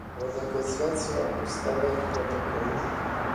Renegocjacja ustaleń protokołu?